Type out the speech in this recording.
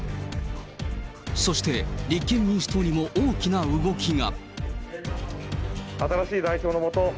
そして立憲民主党にも大きな動きが。